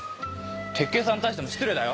鉄警さんに対しても失礼だよ